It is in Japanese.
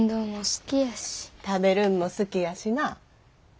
食べるんも好きやしな。